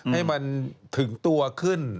ให้มันถึงตัวขึ้น